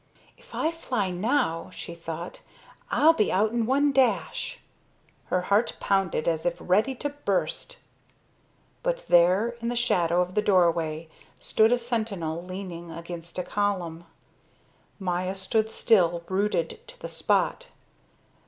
"If I fly now," she thought, "I'll be out in one dash." Her heart pounded as if ready to burst. But there in the shadow of the doorway stood a sentinel leaning against a column. Maya stood still, rooted to the spot.